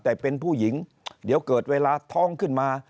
แต่เป็นผู้หญิงเดี๋ยวเกิดเวลาท้องขึ้นมา